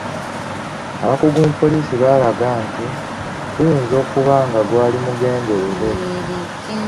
Abakugu mu poliisi baalaga nti guyinza okuba nga gwali mugenderere.